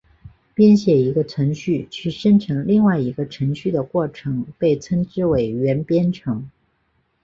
编写一个程序去生成另外一个程序的过程被称之为元编程。